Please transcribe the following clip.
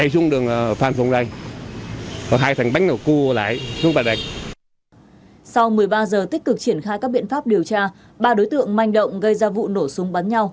sau một mươi ba giờ tích cực triển khai các biện pháp điều tra ba đối tượng manh động gây ra vụ nổ súng bắn nhau